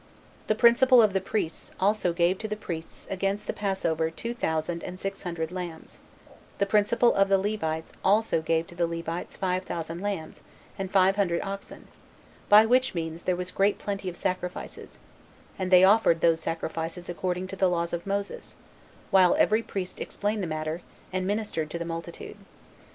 The principal of the priests also gave to the priests against the passover two thousand and six hundred lambs; the principal of the Levites also gave to the Levites five thousand lambs, and five hundred oxen, by which means there was great plenty of sacrifices; and they offered those sacrifices according to the laws of Moses, while every priest explained the matter, and ministered to the multitude.